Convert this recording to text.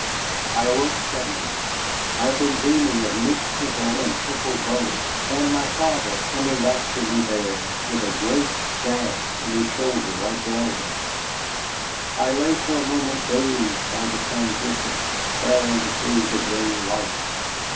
I awoke suddenly. I had been dreaming of Nick Temple and Temple Bow, and my father coming back to me there with a great gash in his shoulder like Weldon's. I lay for a moment dazed by the transition, staring through the gray light.